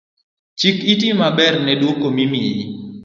Chik iti maber ne dwoko mimiyi